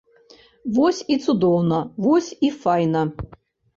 Вось і цудоўна, вось і файна!